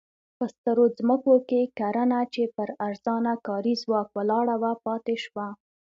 په سترو ځمکو کې کرنه چې پر ارزانه کاري ځواک ولاړه وه پاتې شوه.